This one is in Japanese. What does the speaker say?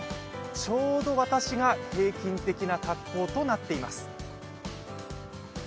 ちょうど、私が平均的な格好となっています。